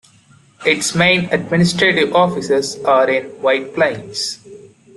Its main administrative offices are in White Plains.